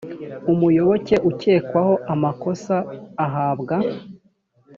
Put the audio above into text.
umuyoboke ukekwaho amakosa ahabwa